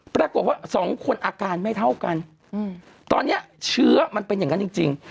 ปรากฏว่าสองคนอาการไม่เท่ากันตอนนี้เชื้อมันเป็นอย่างนั้นจริง